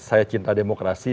saya cinta demokrasi